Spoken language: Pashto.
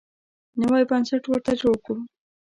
نوی بنسټ ورته جوړ کړو.